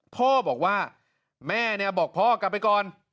พ่อบอกว่าแม่เนี่ยบอกพ่อกลับไปก่อน